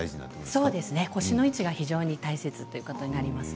そうですね、腰の位置が大切ということです。